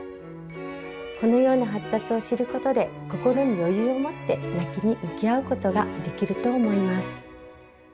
このような発達を知ることで心に余裕を持って泣きに向き合うことができると思います。